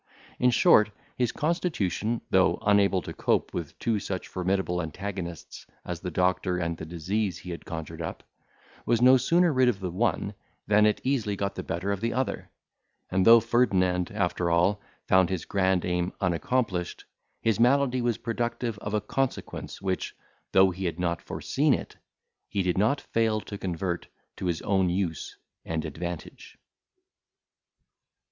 In short, his constitution, though unable to cope with two such formidable antagonists as the doctor and the disease he had conjured up, was no sooner rid of the one, than it easily got the better of the other; and though Ferdinand, after all, found his grand aim unaccomplished, his malady was productive of a consequence, which, though he had not foreseen it, he did not fail to convert to his own use and advantage.